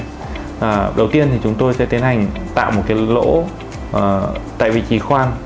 đầu tiên thì chúng tôi sẽ tiến hành tạo một cái lỗ tại vị trí khoan